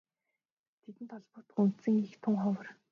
Тэдэнд холбогдох үндсэн эх тун ховор.